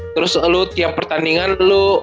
terus lu tiap pertandingan lu